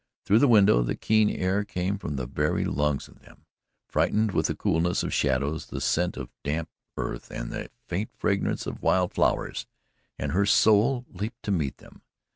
Through the window the keen air came from the very lungs of them, freighted with the coolness of shadows, the scent of damp earth and the faint fragrance of wild flowers, and her soul leaped to meet them.